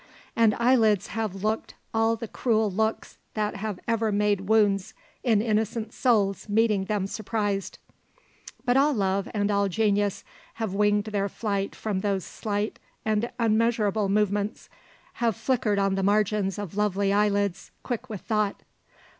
And eyelids have looked all the cruel looks that have ever made wounds in innocent souls meeting them surprised. But all love and all genius have winged their flight from those slight and unmeasurable movements, have flickered on the margins of lovely eyelids quick with thought.